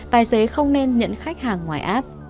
tài xế không nên nhận khách hàng ngoài app